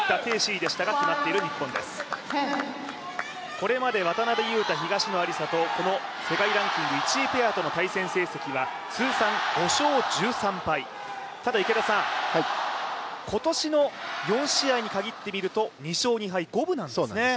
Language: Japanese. これまで渡辺勇大、東野有紗はこの世界ランキング１位ペアとの対戦成績は通算５勝１３敗、ただ今年の４試合に限ってみると２勝２敗、五分なんですよね。